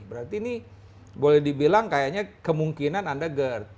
berarti ini boleh dibilang kayaknya kemungkinan anda gerd